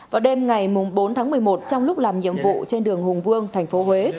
vào đêm ngày bốn tháng một mươi một trong lúc làm nhiệm vụ trên đường hùng vương tp huế